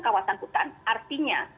kawasan hutan artinya